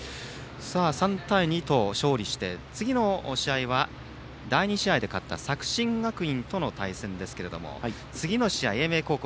３対２と勝利して次の試合は、第２試合で勝った作新学院との対戦ですけれども次の試合、英明高校